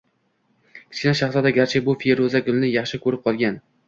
Kichkina shahzoda, garchi bu feruza gulni yaxshi ko‘rib qolgan